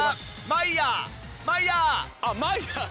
マイヤー！